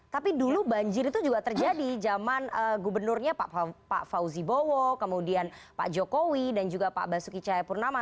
tapi dulu banjir itu juga terjadi zaman gubernurnya pak fauzi bowo kemudian pak jokowi dan juga pak basuki cahayapurnama